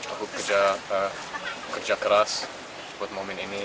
aku kerja keras buat momen ini